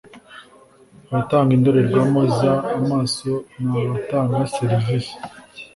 abatanga indorerwamo z amaso ni abatanga serivizi